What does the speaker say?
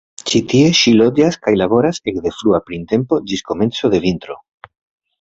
Ĉi tie ŝi loĝas kaj laboras ekde frua printempo ĝis komenco de vintro.